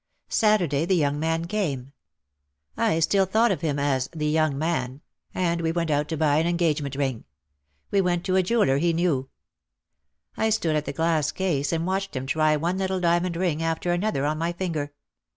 Saturday the young man came. I still thought of OUT OF THE SHADOW 213 him as the young man, and we went out to buy an en gagement ring. We went to a jeweller he knew. I stood at the glass case and watched him try one little diamond ring after another on my finger.